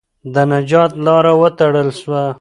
د نجات لاره وتړل سوه.